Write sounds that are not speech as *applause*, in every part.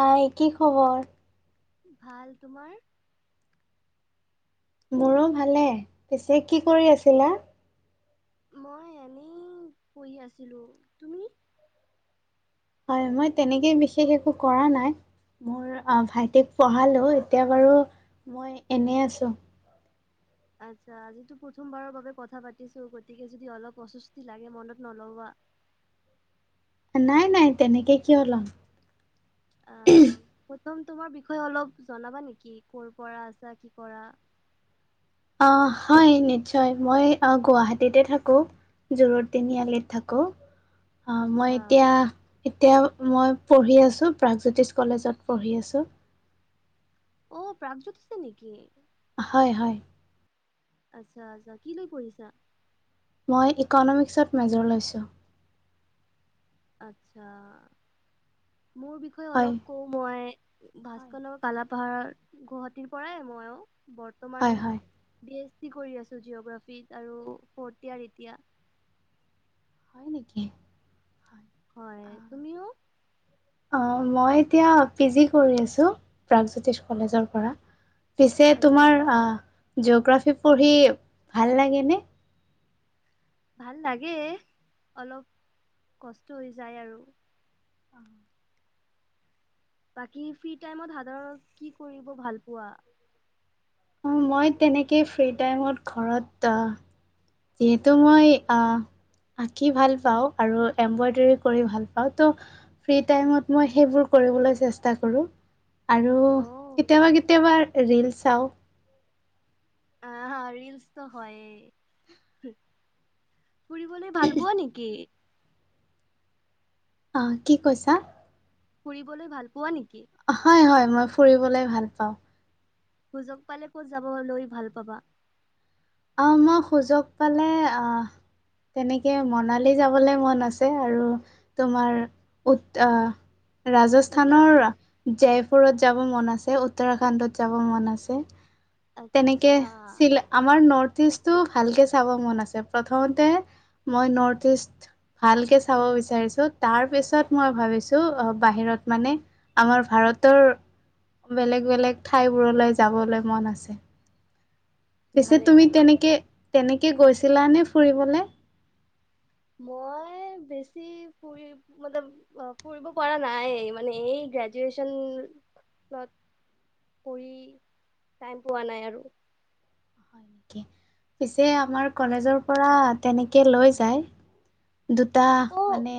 হাই কি খবৰ ভাল তোমাৰ মোৰো ভালে পিছে কি কৰি আছিলা মই এনেই পঢ়ি আছিলো তুমি হয় মই তেনেকেই বিশেষ একো কৰা নাই মোৰ ভাইটিক পঢ়ালোঁ এতিয়া বাৰু মই এনেই আছো আচ্ছা আজিতো প্ৰথমবাৰৰ বাবে কথা পাতিছো গতিকে যদি অলপ অস্বস্তি লাগে মনত নলবা *unintelligible* *inaudible* নাই নাই তেনেকে কিয় লম আহ প্ৰথম তোমাৰ বিষয়ে অলপ জনাবা নেকি কৰ পৰা আহিছা কি কৰা *unintelligible* আহ হয় নিশ্চয় মই আহ গুৱাহাটীতে থাকো জোৰৰ তিনিআলিত থাকো আচ্ছা মই এতিয়া এতিয়া মই পঢ়ি আছোঁ প্ৰাগজ্যোতিষ কলেজত পঢ়ি আছোঁ অ প্ৰাগজ্যোতি আছে নেকি হয় হয় আচ্ছা আচ্ছা কি লৈ পঢ়িছা মই ইকনমিক্সত মেজৰ লৈছোঁ আচ্ছা মোৰ বিষয়ে হয় অলপ কও মই হয় ভাস্কৰ কালাপ *unintelligible* ভাৰত গুৱাহাটীৰ পৰাই মইও বৰ্তমান হয় হয় ব *unintelligible* কৰি আছো জিঅগ্ৰাফী আৰু ফৰট ইয়াৰ এতিয়া *unintelligible* হয় নেকি হয় হয় তুমিও অ' মই এতিয়া পি এইচ ডি কৰি আছোঁ প্ৰাগজ্যোতিষ কলেজৰ পৰা *unintelligible* পিছে আচ্ছা তোমাৰ জিঅ'গ্ৰাফী পঢ়ি ভাল লাগেনে ভাল লাগে অলপ কষ্ট হৈ যায় আৰু আহ বাকী ফ্ৰী টাইমত সাধাৰণত কি কৰিব ভাল পোৱা অ মই তেনেকেই ফ্ৰী টাইমত ঘৰত অ যিহেতু মই আহ আ ভাল পাও আৰু এম্পডাৰী কৰি ভাল পাও ত ফ্ৰী তাইমত মই *unintelligible* কৰিবলৈ চেষ্টা কৰো আৰু অ কেতিয়াবা কেতিয়াবা ৰিলচ চাও *unintelligible* আহ ৰিলচটো হয়ে ফুৰিবলৈ ভাল পোৱা নেকি অ কি কৈছা ফুৰিবলৈ ভাল পোৱা নেকি হয় হয় মই ফুৰিবলৈ ভাল পাওঁ সুযোগ পালে ক'ত যাব লৈ ভাল পাবা আহ মই সুযোগ পালে আহ তেনেকে মনালী যাবলৈ মন আছে আৰু তোমাৰ উত আহ ৰাজস্থানৰ উত্তৰাখণ্ড জয়পুৰত যাব মন আছে উত্তৰাখণ্ডত যাব মন আছে আচ্ছা তেনেকেছিল আমাৰ ন *unintelligible* থিজটো ভালকে চাব মন আছে প্ৰথমতে মই নৰ্থ ইষ্ট ভালকে চাব বিচাৰিছো তাৰ পিছত মই ভাবিছো বাহিৰত মানে আমাৰ ভাৰতৰ বেলেগ বেলেগ ঠাইবোৰলৈ যাবলৈ মন আছে। পিছে ভালে তুমি ভালে তেনেকে তেনেকে গৈছিলানে ফুৰিবলৈ। মই বেছি ফুৰি মানে ফুৰিব পৰা নাই মানে এই গ্ৰেজুয়চন লত প টাইম পোৱা নাই আৰু হয় পিছে আমাৰ কলেজৰ পৰা তেনেকে লৈ যায় দুটা অ মানে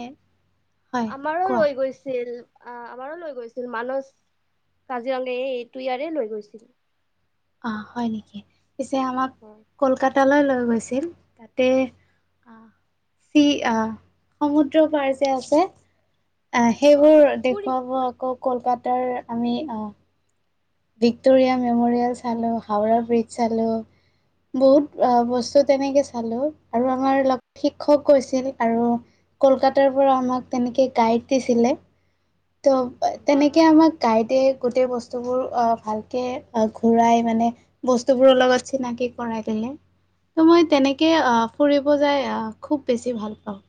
হয় আমাৰো কোৱা। লৈ গৈছিল আহ আমাৰো লৈ গৈছিল মানস কাজিৰঙা এইটো ইয়াৰে লৈ গৈছিল। অ হয় নেকি পিছে আমাক অ কলকাতা। তালৈ লৈ গৈছিল তাতে চি আহ সমুদ্ৰ পাৰ যে আছে। আহ সেইবোৰ আচ্ছা পুৰি দেখুৱাব আকৌ কলকাতাৰ আমি আহ। ভিক্টৰিয়াা মেমৰিয়েল চালো হাওৰা ব্ৰিজ চালো। বহুত বস্তু তেনেকে চালো আৰু আমাৰ অলপ শিক্ষক কৈছিল আৰু কলকাতাৰ পৰা আমাক তেনেকে গাইড দিছিলে। ত' বা তেনেকে আমাক গাইতে গোটেই বস্তু। বস্তুবোৰ আহ ভালকে ঘূৰাই মানে বস্তুবোৰৰ লগত চিনাকি কৰাই দিলে। ত' মই তেনেকে ফুৰিব যাই খুব বেছি ভাল পাওঁ।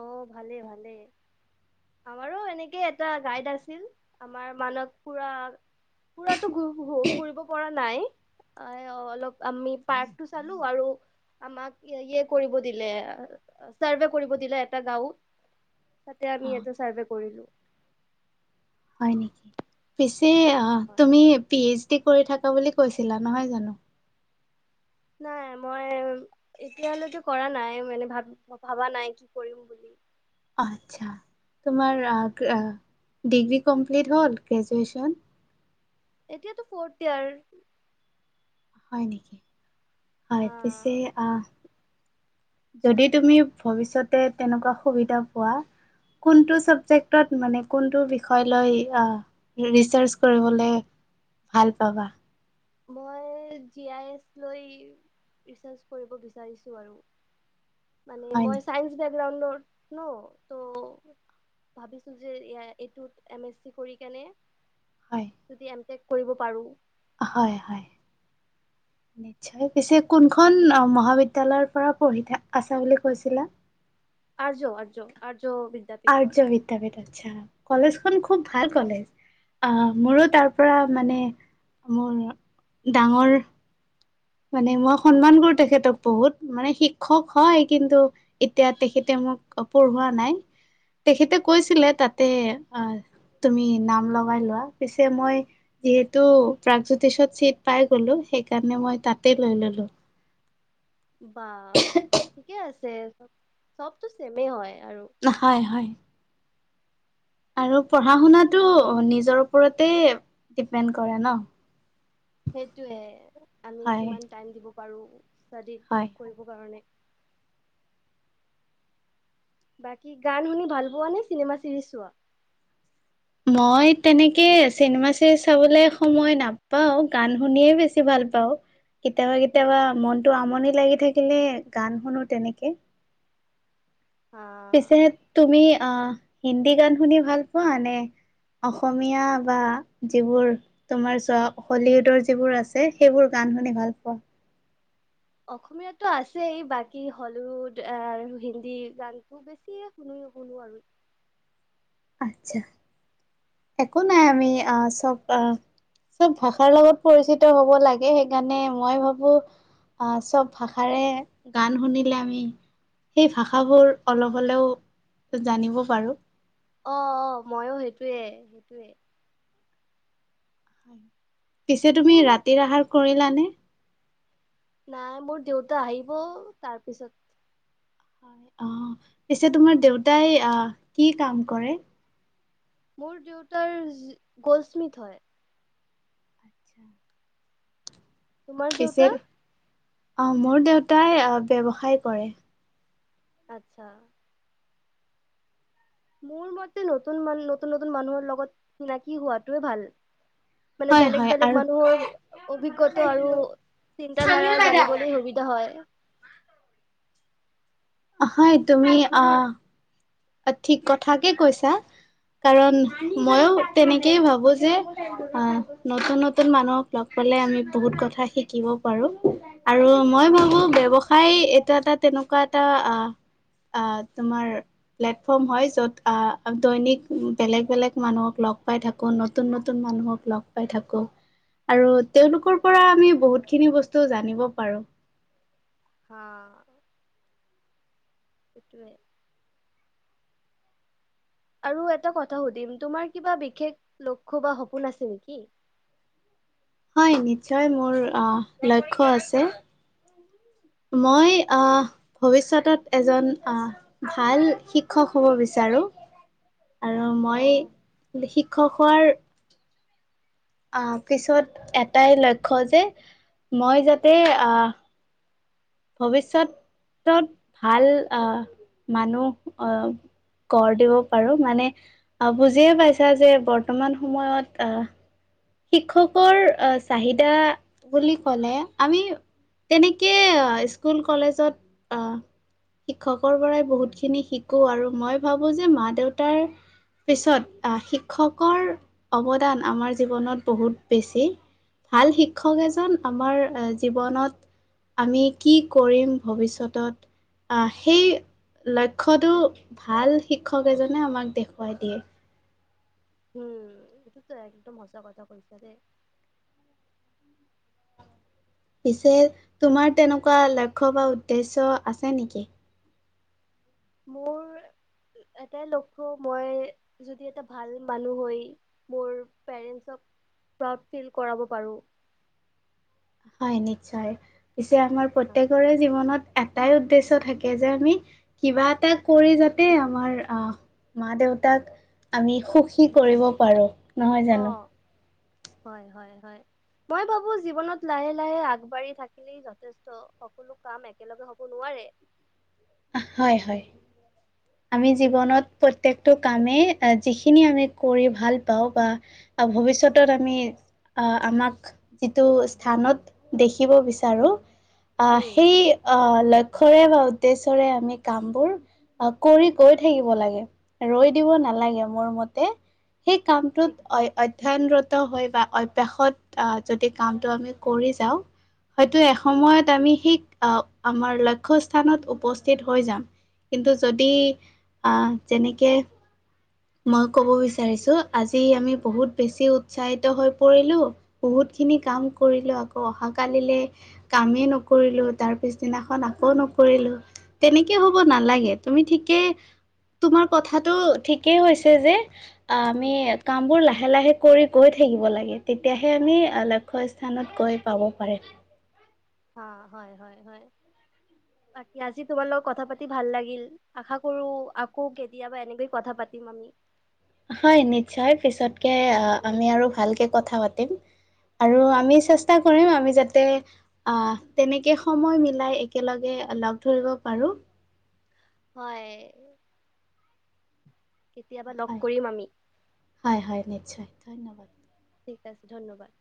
আহ ভালে ভালে আমাৰো এনেকে এটা গাইড আছিল আমাৰ মানক পুৰা পুৰাতটো ফুৰিব পৰা নাই। অ অলপ আমি পাৰ্কটো চালো আৰু আমাক ইয়ে কৰিব দিলে চাৰ্ভে কৰিব। দিলে এটা গাঁওত তাতে আমি আহ এটা চাৰ্ভে কৰিলো। হয় নেকি পিছে তুমি পি কৰি থকা বুলি কৈছিলা নহয় জানো। নাই মই এতিয় হালৈতো কৰা নাই মানে ভাব ভাবা নাই কি কৰিম বুলি। আচ্ছা তোমাৰ আহ। ডিগ্ৰী কমপ্লিট হ'ল গ্ৰেজুৱেশ্যন। এতিয়াতো ফৰ্থ ইয়াৰ। হয় নেকি হয় হা পিছে। যদি তুমি ভৱিষ্যতে তেনেকুৱা সুবিধা পোৱা। কোনটো চাবজেক্টত মানে কোনটো বিষয় লৈ ৰিচাৰ্চ কৰিবলৈ। ভাল পাবা। মই জি আই এছ লৈ। ৰিচাৰ্জ কৰিব বিচাৰিছো আৰু! মানে হয় মই নেকি চাইন্স বেকগ্ৰাউণ্ডৰ ন ত ভাবিছো যে এইটোত এম এছ চি কৰি কিনে হয় যদি এমটেক কৰিব পাৰো। হয় হয় *inaudible* নিশ্চয় পিছে কোনখন মহাবিদ্যালয়ৰ পৰা পঢ়ি থ আছ বুলি কৈছিলা। আ য আৰ য আৰ আৰ্য বিদ্যাপীঠ আচ্ছা কলেজখন খুব ভাল কলেজ। আহ মোৰো তাৰ পৰা মানে মোৰ ডাঙৰ মানে মই সন্মান কৰো তেখেতক বহুত মানে শিক্ষক হয় কিন্তু এতিয়া তেখেতে মোক পঢ়োৱা নাই তেখেতে কৈছিলে তাতে আহ তুমি নাম লগাই লোৱা পিছে মই যিহেতু প্ৰাগজ্যোতিষত চিট পাই গ'লো সেইকাৰণে মই তাতে লৈ ললো বা ঠিকে আছে চবতো ছেমে হয় আৰু হয় হয় আৰু পঢ়া শুনাটো নিজৰ ওপৰতে ডিপেণ্ড কৰে ন সেইটোৱে আমি হয় কিমান টাইম দিব পাৰো হয় হয়। বাকী গান শুনি ভাল পোৱা নে চিনেমা চিৰিজ চোৱা মই তেনেকে চিনেমা চিৰিজ চাবলে সময় নাপাও গান শুনিয়ে বেছি ভাল পা ত কেতিয়াবা কেতিয়াবা মনতো আমনি লাগি থাকিলে গান শুনো তেনেকে পিছে আহ তুমি আহ হিন্দী গান শুনি ভাল পোৱা নে অসমীয়া বা যিবোৰ তোমাৰ চোৱা হলিউডৰ যিবোৰ আছে সেইবোৰ গান শুনি ভাল পোৱা অসমীয়াতো আছেই বাকী হলিউড হিন্দী গানতো বেছি শুনো শুনো আৰু আচ্ছা একো নাই আমি আহ চব আহ চব ভাষাৰ লগত পৰিচিত হব লাগে সেইকাৰণে মই ভাবো। অহ চব ভাষাৰে গান শুনিলে আমি সেই ভাষাবোৰ অলপ হ'লেও জানিব পাৰো অ অ ময়ো সেইটোৱে সেইটোৱে পিছে তুমি মোৰ মত ৰাতিৰ আহাৰ কৰিলানে নাই মোৰ দেউতা আহিব তাৰ পিছত হয় অ পিছে তোমাৰ দেউতাই আহ কি কাম কৰে মোৰ দেউতাৰ গলস্মিথ হয় তোমাৰ পিছে দেউতা অ মোৰ দেউতাই আ ব্যৱসায় কৰে আচ্ছা মোৰ মতে নতুন মান নতুন নতুন মানুহৰ লগত চিনাকি হোৱাটোৱে ভাল মানে হয় বেলেগ হয় বেলেগ আৰু মানুহৰ অভিজ্ঞতা আৰু চিন্ত ধাৰা জানিবলে সুবিধা হয় হয় তুমি অহ ঠিক কথাকে কৈছা কাৰণ ময়ো তেনেকেই ভাবো যে আহ নতুন নতুন মানুহক লগ পা ভালেই আমি বহুত কথা শিকিব পাৰো আৰু মই হা ভাবো ব্যৱসায় তাই এটা এটা তেনেকোৱা এটা আহ আহ তোমাৰ প্লেটফৰ্ম হয় য'ত আহ দৈনিক বেলেগ বেলেগ মানুহক লগ পাই থাকো নতুন নতুন মানুহ মানুহক লগ পাই থাকো আৰু তেওঁলোকৰ পৰা আমি বহুত খিনি বস্তু জানিব পাৰো হ সেটোৱে আৰু এটা কথা সুধিম তোমাৰ কিবা বিশেষ লক্ষ্য বা সপোন আছে নেকি *inaudible* হয় নিশ্চয় মোৰ অ লক্ষ্য আছে *inaudible* মই অ ভৱিষ্যতত এজন ভাল শিক্ষক হ'ব বিচাৰোঁ *inaudible* আৰু মই অ'। শিক্ষক হোৱাৰ আহ পিছত এটাই লক্ষ্য যে মই যাতে আহ ভৱিষ্যতত ভাল আহ মানুহ অহ গঢ় দিব পাৰো মানে আহ বুজিয়ে পাইছা যে বৰ্তমান সময়ত আহ শিক্ষকৰ আহ চাহিদা বুলি কলে আমি তেনেকে স্কুল কলেজত শিক্ষকৰ পৰাই বহুত খিনি শিকো আৰু মই ভাবো যে মা দেউতাৰ পিছত আহ শিক্ষকৰ অৱদান আমাৰ জীৱনত বহুত বেছি ভাল শিক্ষক এজন আমাৰ জীৱনত আমি কি কৰিম ভৱিষ্যতত আহ সেই লক্ষ্যটো ভাল শিক্ষক এজনে আমাক দেখুৱাই দিয়ে উম এইটোতো একদম সচা কথা কৈছা দেই পিছে তোমাৰ তেনেকুৱা লক্ষ্য বা উদ্দেশ্য আছে নেকি? মোৰ এটাই লক্ষ্য মই যদি এটা ভাল মানুহ হৈ মোৰ পেৰেণ্টছক প্ৰাউড ফিল কৰাব পাৰো হয় নিশ্চয় পিছে আমাৰ প্ৰত্যেকৰে জীৱনত এটাই উদ্দেশ্য থাকে যে আমি কিবা এটা কৰি যাতে আমাৰ আহ মা দেউতাক আমি সুখী কৰিব পাৰোঁ নহয় জানো অ', হয় হয় হয় মই ভাবো জীৱনত লাহে লাহে আগবাঢ়ি থাকিলেই যথেষ্ট সকলো কাম একেলগে হব নোৱাৰে *inaudible* হয় হয় আমি জীৱনত প্ৰত্যেক টো কামেই যিখিনি আমি কৰি ভাল পাওঁ বা ভৱিষ্যতত আমি আমাক যিটো স্থানত দেখিব বিচাৰো আহ উম, সেই অ লক্ষ্যৰে হক উদেশ্যৰে আমি কাম বোৰ কৰি গৈ থাকিব লাগে ৰৈ দিব নালাগে মোৰ মতে সেই কামটোত ঠিক অ অধ্যানৰত হৈ বা অভ্যাসত যদি কামটো আমি কৰি যাওঁ হয়তো এসময়ত আমি সিক আহ আমাৰ লক্ষ্য স্থানত উপস্থিত হৈ যাম কিন্তু যদি যেনেকে মই ক'ব বিচাৰিছো আজি আমি বহুত বেছি উৎসাহিত হৈ পৰিলো বহুত খিনি কাম কৰিলোঁ আকৌ অহাকালিলৈ কামেই নকৰিলোঁ তাৰ পিছদিনাখন আকৌ নক ৰিলো, তেনেকে হ'ব নালাগে তুমি ঠিকে তোমাৰ কথাটো একেই হৈছে যে অ উম, আমি কাম বোৰ লাহে লাহে কৰি গৈ থাকিব লাগে তেতিয়াহে আমি লক্ষ্য স্থানত গৈ পাব পাৰে অ হয় হয় হয় বাকি আজি তোমাৰ লগত কথা পাতি ভাল লাগিল আশা কৰো আকৌ কেতিয়াবা এনেকৈ কথা পাতি তিম আমি হয় নিশ্চয় পিছতকে আমি আৰু ভালকে কথা পাতিম আৰু আমি চেষ্টা কৰিম আমি যাতে আহ তেনেকে সময় মিলাই একেলগে লগ ধৰিব পাৰো হয় কেতিয়াবা লগ কৰিম আমি হয় হয় নিশ্চয় ধন্যবাদ ঠিক আছে ধন্যবাদ